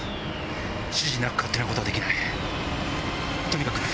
指示なく勝手なことはできない。